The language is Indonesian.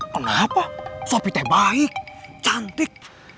kenapa sapi teh baik cantik